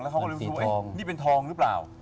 แล้วเขาก็เลยคิดว่านี่เป็นทองหรือเปล่า